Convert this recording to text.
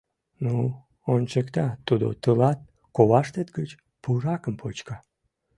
Ну, ончыкта тудо тылат, коваштет гыч пуракым почка!